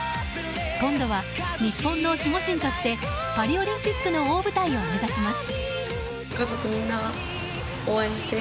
今度は日本の守護神としてパリオリンピックの大舞台を目指します。